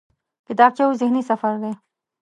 کتابچه یو ذهني سفر دی